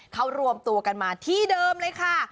เขารวมตัวกันมาที่เดิมเลยค่ะ